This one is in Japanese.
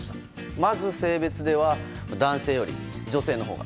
まず、性別では男性より女性のほうが。